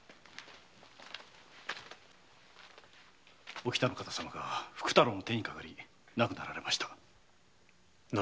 お喜多の方様が福太郎の手にかかり亡くなられました。